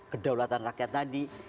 kedaulatan rakyat tadi